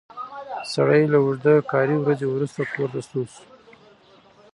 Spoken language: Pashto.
سړی له اوږده کاري ورځې وروسته کور ته ستون شو